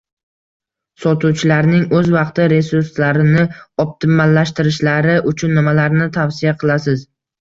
Sotuvchilarning oʻz vaqti, resurslarini optimallashtirishlari uchun nimalarni tavsiya qilasiz